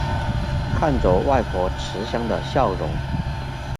看着外婆慈祥的笑容